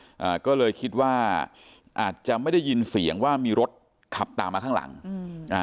อ่าก็เลยคิดว่าอาจจะไม่ได้ยินเสียงว่ามีรถขับตามมาข้างหลังอืมอ่า